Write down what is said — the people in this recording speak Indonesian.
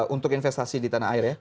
untuk investasi di tanah air ya